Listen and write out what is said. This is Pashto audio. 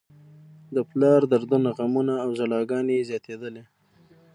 د پلار دردونه، غمونه او ژړاګانې یې زياتېدلې.